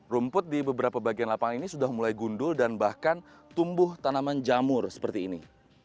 rumput di beberapa bagian lapangan ini sudah mulai gundul dan bahkan tumbuh tanaman jamur seperti ini